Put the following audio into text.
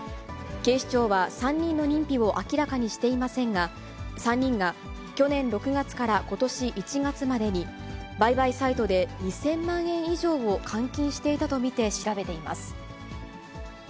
警視庁は３人の認否を明らかにしていませんが、３人が去年６月からことし１月までに、売買サイトで２０００万円以上を換金していたと見て調べています。